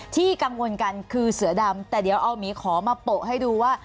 ที่กังวลกันคือเสือดำแต่เดี๋ยวเอาหมีขอมาโปะให้ดูว่า